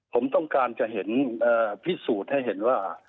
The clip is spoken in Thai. ผมต้องการจะเห็นพิสูจน์ให้เห็นว่า